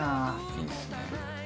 いいですね。